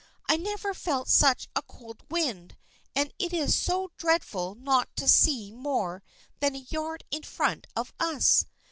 I never felt such a cold wind, and it is so dreadful not to see more than a yard in front of us.